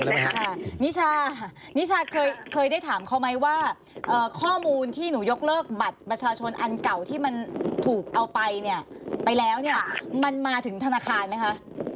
ใช่ค่ะนิชานิชาเคยได้ถามเขาไหมว่าข้อมูลที่หนูยกเลิกบัตรประชาชนอันเก่าที่มันถูกเอาไปเนี่ยไปแล้วเนี่ยมันมาถึงธนาคารไหมคะ